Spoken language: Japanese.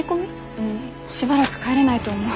うんしばらく帰れないと思う。